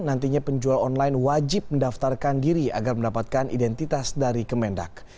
nantinya penjual online wajib mendaftarkan diri agar mendapatkan identitas dari kemendak